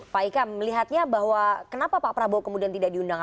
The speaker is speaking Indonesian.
pak ika melihatnya bahwa kenapa pak prabowo kemudian tidak diundang